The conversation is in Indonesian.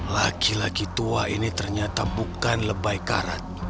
laki laki tua ini ternyata bukan lebay karat